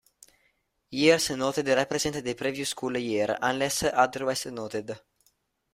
Years noted represent the previous school year, unless otherwise noted.